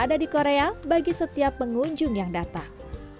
ada di korea bagi setiap pengunjung yang datang